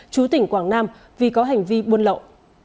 chú tỉnh quảng nam vì có hành vi buôn lậu